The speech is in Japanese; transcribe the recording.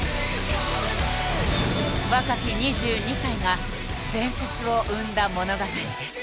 若き２２歳が「伝説」を生んだ物語です。